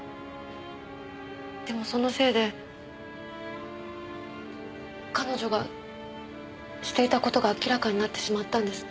でもそのせいで彼女がしていた事が明らかになってしまったんです。